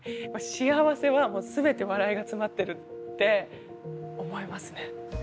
幸せはもう全て笑いが詰まってるって思いますね。